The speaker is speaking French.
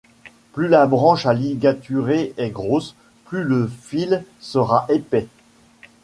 Plus la branche à ligaturer est grosse, plus le fil sera épais.